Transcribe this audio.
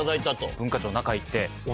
文化庁の中行って。